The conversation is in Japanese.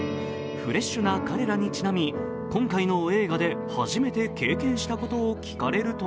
フレッシュな彼らにちなみ今回の映画で初めて経験したことを聞かれると